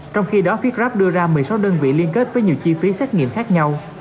trong khi đó phía grab đưa ra một mươi sáu đơn vị liên kết với nhiều chi phí xét nghiệm khác nhau